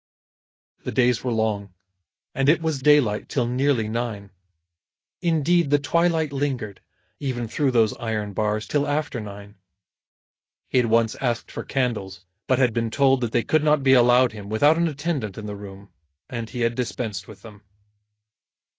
The days were long, and it was daylight till nearly nine. Indeed the twilight lingered, even through those iron bars, till after nine. He had once asked for candles, but had been told that they could not be allowed him without an attendant in the room, and he had dispensed with them.